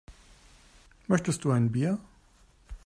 Möchtest du ein Bier?